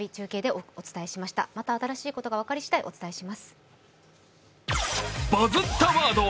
また新しいことが分かりしだいお伝えします。